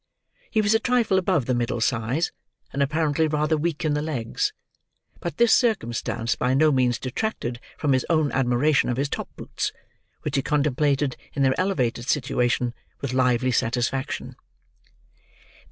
He was a trifle above the middle size, and apparently rather weak in the legs; but this circumstance by no means detracted from his own admiration of his top boots, which he contemplated, in their elevated situation, with lively satisfaction.